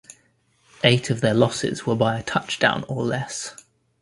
Eight of their losses were by a touchdown or less.